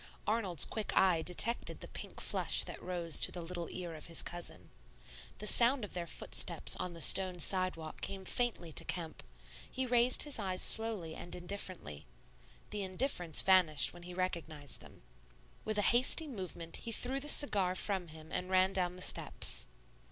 Arnold's quick eye detected the pink flush that rose to the little ear of his cousin. The sound of their footsteps on the stone sidewalk came faintly to Kemp; he raised his eyes slowly and indifferently. The indifference vanished when he recognized them. With a hasty movement he threw the cigar from him and ran down the steps.